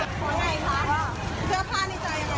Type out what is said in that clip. ดูคลิปก่อนงั้นไปดูคลิปก่อน